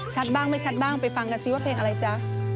บ้างไม่ชัดบ้างไปฟังกันสิว่าเพลงอะไรจ๊ะ